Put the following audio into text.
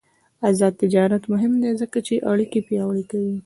آزاد تجارت مهم دی ځکه چې اړیکې پیاوړې کوي.